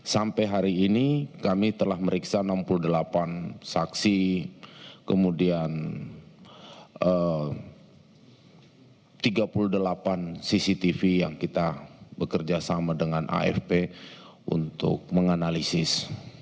sampai hari ini kami telah meriksa enam puluh delapan saksi kemudian tiga puluh delapan cctv yang kita bekerja sama dengan afp untuk menganalisis